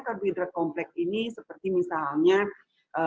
karbohidrat kompleks ini seperti misalnya bahan bahan makanan yang dari karbohidrat kompleks